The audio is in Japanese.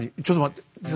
ちょっと待って。